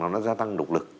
nó đã gia tăng độc lực